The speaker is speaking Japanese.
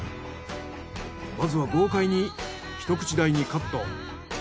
まずは豪快に一口大にカット。